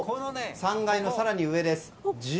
３階の更に上です。